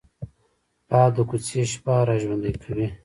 باد د کوڅې شپه را ژوندي کوي